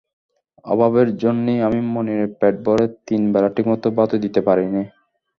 অভাবের জন্যি আমার মনিরে পেট ভরে তিন বেলা ঠিকমতো ভাতই দিতি পারিনে।